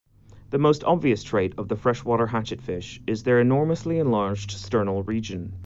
The most obvious trait of the freshwater hatchetfish is their enormously enlarged sternal region.